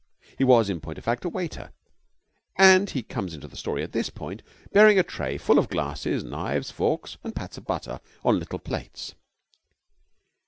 He was, in point of fact, a waiter, and he comes into the story at this point bearing a tray full of glasses, knives, forks, and pats of butter on little plates.